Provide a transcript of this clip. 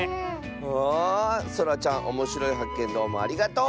ああそらちゃんおもしろいはっけんどうもありがとう！